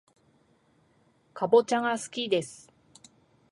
かぼちゃがすきです